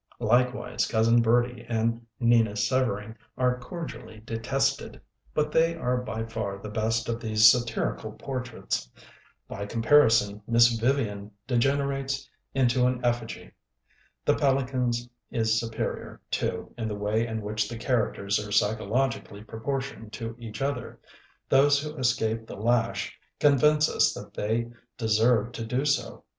Likewise Cousin Bertie and N'ina Severing are cor dially detested, but they are by far the best of these satirical portraits. By comparison, Miss Vivian degenerates into an effigy. The Pelicans is superior, too, in the way in which the characters are psycho logically proportioned to each other. Those who escape the lash convince us that they deserve to do so.